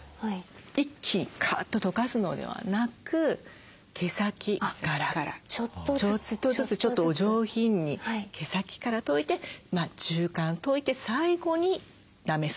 一気にかっととかすのではなく毛先からちょっとずつちょっとお上品に毛先からといて中間といて最後になめす。